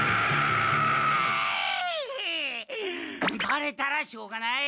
ばれたらしょうがない！